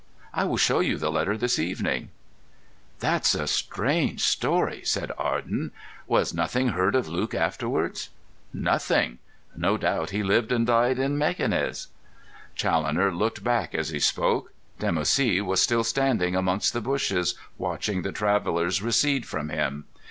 I will show you the letter this evening." "That's a strange story," said Arden. "Was nothing heard of Luke afterwards?" "Nothing. No doubt he lived and died in Mequinez." Challoner looked back as he spoke. Dimoussi was still standing amongst the bushes watching the travellers recede from him.